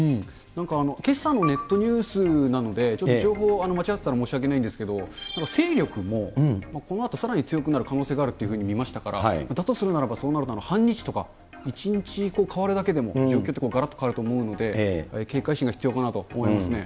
けさのネットニュースなので、ちょっと情報、間違ってたら申し訳ないんですけど、勢力も、このあとさらに強くなる可能性もあるっていうふうに見ましたから、だとするならば、そうならば、半日とか１日変わるだけでも、状況ってがらっと変わると思うので、警戒心が必要かなと思いますね。